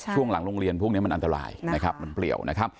ช่วงหลังโรงเรียนพวกนี้มันอันตรายนะครับมันเปลี่ยวนะครับ